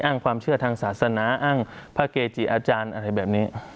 ความเชื่อทางศาสนาอ้างพระเกจิอาจารย์อะไรแบบนี้